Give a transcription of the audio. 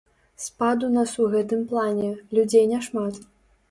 Спад у нас у гэтым плане, людзей няшмат.